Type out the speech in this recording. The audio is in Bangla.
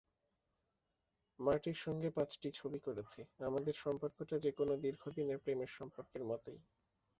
মার্টির সঙ্গে পাঁচটি ছবি করেছি, আমাদের সম্পর্কটা যেকোনো দীর্ঘদিনের প্রেমের সম্পর্কের মতোই।